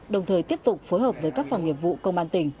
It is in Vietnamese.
đồng thời tiếp tục phối hợp với các phòng nghiệp vụ công an tỉnh